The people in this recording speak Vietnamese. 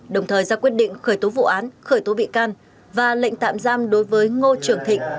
đồng thời ra quyết định khởi tố vụ án khởi tố bị can và lệnh tạm giam đối với ngô trường thịnh